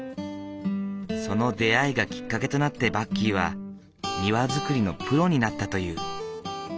その出会いがきっかけとなってバッキーは庭造りのプロになったという。